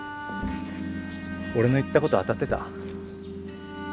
俺の言ったこと当たってた？